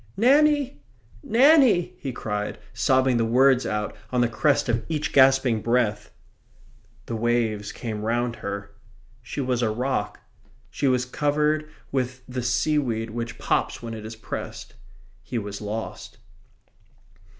"Nanny! Nanny!" he cried, sobbing the words out on the crest of each gasping breath. The waves came round her. She was a rock. She was covered with the seaweed which pops when it is pressed. He was lost.